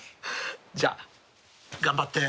じゃあ頑張って。